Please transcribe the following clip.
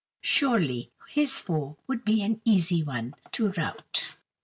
Surely his foe would be an easy one to rout.